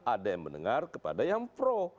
ada yang mendengar kepada yang pro